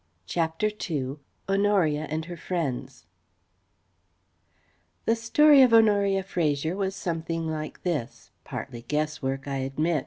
CHAPTER II HONORIA AND HER FRIENDS The story of Honoria Fraser was something like this: partly guesswork, I admit.